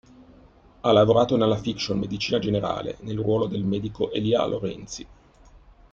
Ha lavorato nella fiction "Medicina generale", nel ruolo del medico Elia Lorenzi.